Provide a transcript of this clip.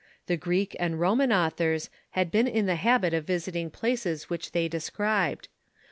The Greek and Roman authors had been in the habit of visiting places which they described.